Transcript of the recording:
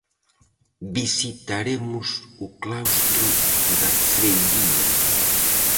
Visitaremos o claustro da freiría.